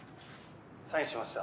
「サインしました」